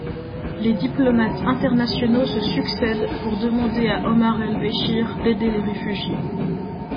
Les diplomates internationaux se succèdent pour demander à Omar el-Béchir d’aider les réfugiés.